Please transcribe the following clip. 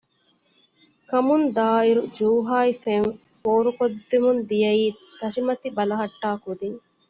ކަމުން ދާއިރު ޖޫހާއި ފެން ފޯރު ކޮށްދެމުންދިޔައީ ތަށި މަތި ބަލަހަޓާ ކުދިން